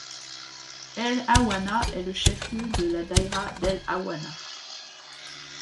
El Aouana est le chef-lieu de la daïra d'El Aouana.